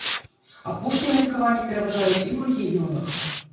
Апошнія меркаванні пераважаюць і ў рэгіёнах.